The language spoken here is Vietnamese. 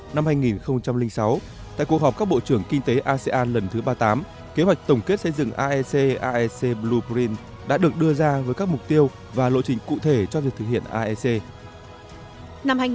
năm hai nghìn sáu tại cuộc họp các bộ trưởng kinh tế asean lần thứ ba mươi tám kế hoạch tổng kết xây dựng aec aec blubren đã được đưa ra với các mục tiêu và lộ trình cụ thể cho việc thực hiện aec